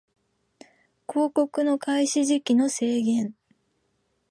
広告の開始時期の制限